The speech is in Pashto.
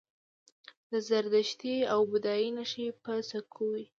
د زردشتي او بودايي نښې په سکو وې